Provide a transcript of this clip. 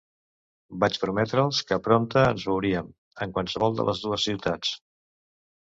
Vaig prometre'ls que prompte ens veuríem, en qualsevol de les dues ciutats.